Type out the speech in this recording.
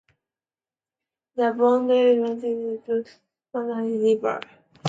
The boundary with Mozambique to the south is formed by the Ruvuma River.